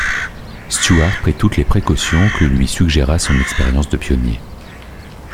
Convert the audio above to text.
Stuart prit toutes les précautions que lui suggéra son expérience de pionnier.